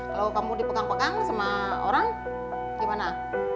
kalau kamu dipegang pegang sama orang gimana